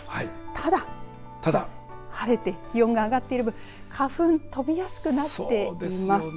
ただ、晴れて気温が上がっている分花粉、飛びやすくなっています。